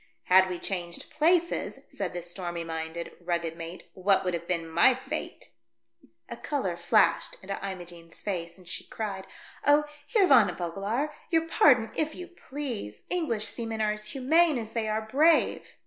"Had we changed places," said the stormy minded, rugged mate, " what would have been my fate ?" A colour flashed into Imogene's face, and she cried, "Oh, Heer Van Vogelaar, your pardon, if you please. English seamen are as humane as they are brave."